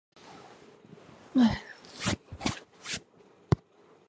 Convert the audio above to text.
金毛新木姜子为樟科新木姜子属下的一个种。